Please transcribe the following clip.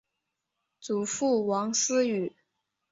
祖父王思与。